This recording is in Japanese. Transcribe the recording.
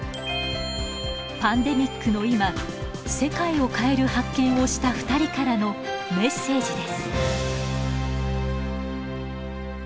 パンデミックの今世界を変える発見をした２人からのメッセージです。